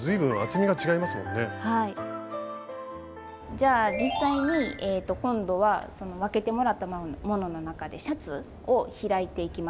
じゃあ実際に今度は分けてもらったものの中でシャツを開いていきます。